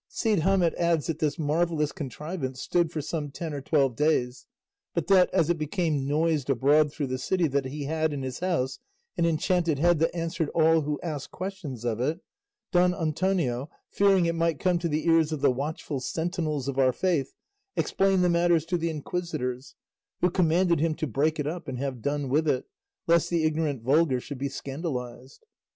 Cide Hamete adds that this marvellous contrivance stood for some ten or twelve days; but that, as it became noised abroad through the city that he had in his house an enchanted head that answered all who asked questions of it, Don Antonio, fearing it might come to the ears of the watchful sentinels of our faith, explained the matter to the inquisitors, who commanded him to break it up and have done with it, lest the ignorant vulgar should be scandalised.